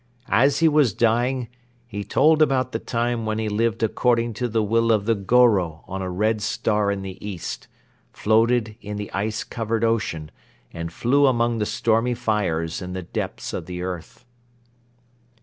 As he was dying, he told about the time when he lived according to the will of the Goro on a red star in the east, floated in the ice covered ocean and flew among the stormy fires in the depths of the earth."